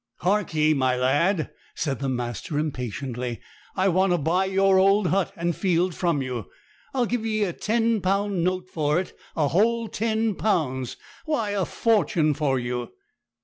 'Hark ye, my lad,' said the master impatiently. 'I want to buy your old hut and field from you. I'll give ye a ten pound note for it; a whole ten pounds. Why, a fortune for you!'